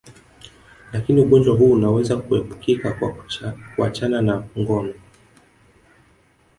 Lakini ugonjwa huu unaweza kuepukika kwa kuachana na ngono